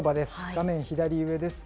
画面左上です。